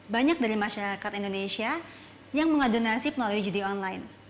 banyak dari masyarakat indonesia yang mengadu nasib melalui judi online